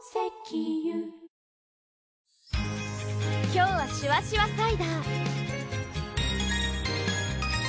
今日はシュワシュワサイダー！